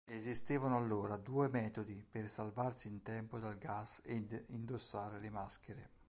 Esistevano allora due metodi per salvarsi in tempo dal gas ed indossare le maschere.